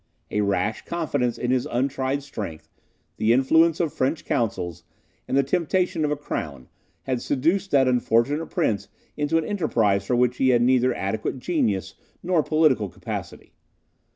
A rash confidence in his untried strength, the influence of French counsels, and the temptation of a crown, had seduced that unfortunate prince into an enterprise for which he had neither adequate genius nor political capacity.